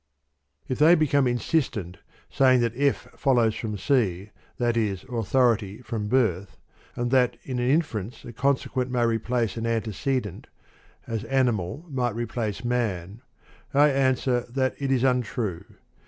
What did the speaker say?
3. If they become insistent, saying that F follows from C (that is, " authority " from " birth "), and that in an inference a consequent may replace an antecedent (as " animal " might replace " man "), I answer that it is untrue.